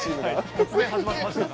突然始まりましたね。